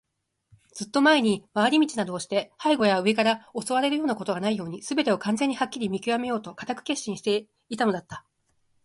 ずっと前に、廻り道などして背後や上から襲われるようなことがないように、すべてを完全にはっきり見きわめようと固く決心していたのだった。